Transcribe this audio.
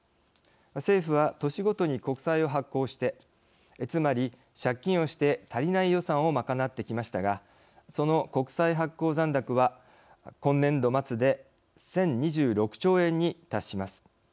政府は年ごとに国債を発行してつまり借金をして足りない予算を賄ってきましたがその国債発行残高は今年度末で１０２６兆円に達します。